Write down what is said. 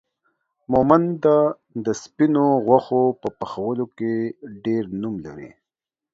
مومند دا سپينو غوښو په پخولو کې ډير نوم لري